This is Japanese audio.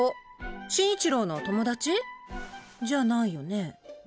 眞一郎の友達？じゃないよね。